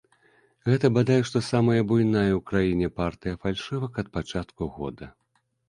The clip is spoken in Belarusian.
Гэта бадай што самая буйная ў краіне партыя фальшывак ад пачатку года.